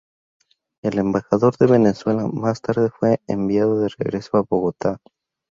El embajador de Venezuela más tarde fue enviado de regreso a Bogotá.